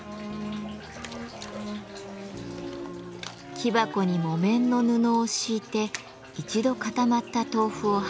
木箱に木綿の布を敷いて一度固まった豆腐を箸で崩します。